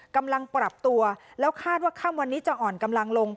กำลังปรับตัวแล้วคาดว่าค่ำวันนี้จะอ่อนกำลังลง